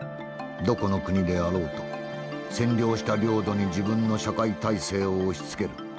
どこの国であろうと占領した領土に自分の社会体制を押しつける。